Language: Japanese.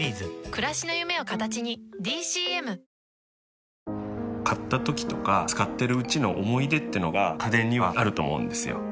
それでは、買ったときとか使ってるうちの思い出ってのが家電にはあると思うんですよ。